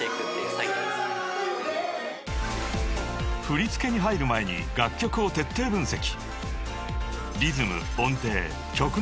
［振り付けに入る前に楽曲を徹底分析］